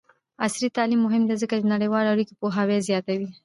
عصري تعلیم مهم دی ځکه چې د نړیوالو اړیکو پوهاوی زیاتوي.